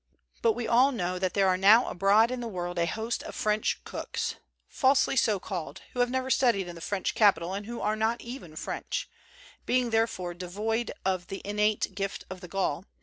But we all know that there are now abroad in the world a host of " French cooks," falsely so called, who have never studied in the French capital and who are not even French, being therefore devoid of the innate gift of the Gaul.